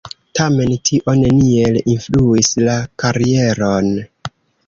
Tamen tio neniel influis la karieron.